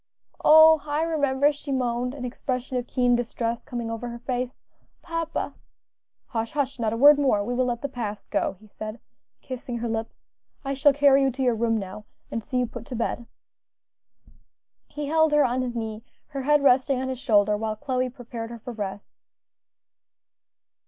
"Oh! I remember," she moaned, an expression of keen distress coming over her face; "papa " "Hush! hush! not a word more; we will let the past go," he said, kissing her lips. "I shall carry you to your room now, and see you put to bed." He held her on his knee, her head resting on his shoulder, while Chloe prepared her for rest.